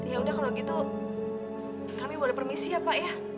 ya udah kalau gitu kami udah permisi ya pak ya